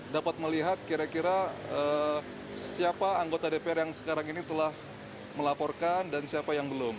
dapat melihat kira kira siapa anggota dpr yang sekarang ini telah melaporkan dan siapa yang belum